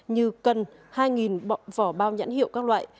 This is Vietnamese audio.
như cân hai vỏ bao nhãn hiệu các loại